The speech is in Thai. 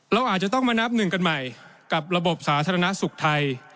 เราอาจจะต้องมานับหนึ่งกันใหม่กับระบบสาธารณสุขไทย